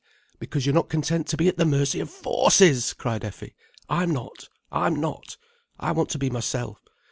Because you're not content to be at the mercy of Forces!" cried Effie. "I'm not. I'm not. I want to be myself.